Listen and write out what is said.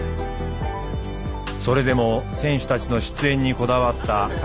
それでも選手たちの出演にこだわった高瀬さん。